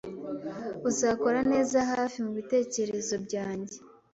Uzakora neza hafi mubitekerezo byanjye